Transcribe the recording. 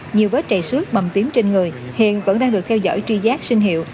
nhiều vết trầy xước bầm tím trên người hiện vẫn đang được theo dõi tri giác sinh hiệu